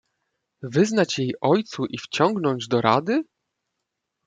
"Wyznać jej ojcu i wciągnąć do rady?"